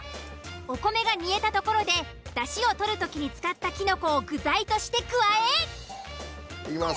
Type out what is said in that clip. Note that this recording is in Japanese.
お米が煮えたところでだしをとる時に使ったキノコを具材として加え。いきます。